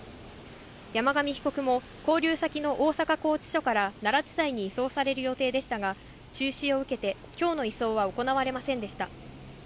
山上被告も、勾留先の大阪拘置所から奈良地裁に移送される予定でしたが、中止を受けて、きょうの移送は行われませんでした。